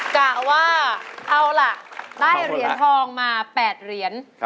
กะว่าเอาล่ะได้เหรียญทองมา๘เหรียญ